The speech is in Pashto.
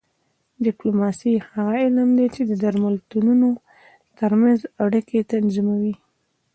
ډیپلوماسي هغه علم دی چې د ملتونو ترمنځ اړیکې تنظیموي